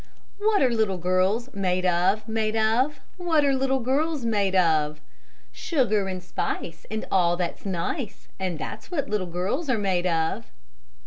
What are little girls made of, made of? What are little girls made of? "Sugar and spice, and all that's nice; And that's what little girls are made of."